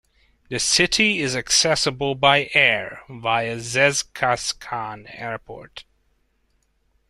The city is accessible by air via Zhezkazgan Airport.